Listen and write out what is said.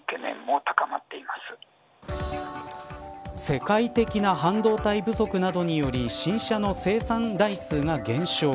世界的な半導体不足などにより新車の生産台数が減少。